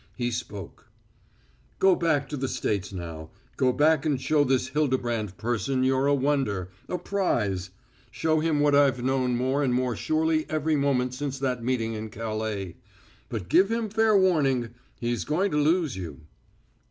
He spoke: "Go back to the States now; go back and show this Hildebrand person you're a wonder a prize. Show him what I've known more and more surely every moment since that meeting in Calais. But give him fair warning; he's going to lose you."